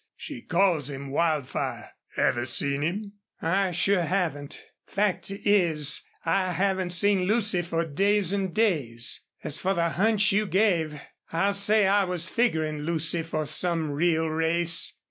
She calls him Wildfire. Ever see him?" "I sure haven't. Fact is, I haven't seen Lucy for days an' days. As for the hunch you gave, I'll say I was figurin' Lucy for some real race.